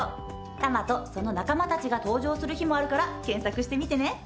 タマとその仲間たちが登場する日もあるから検索してみてね。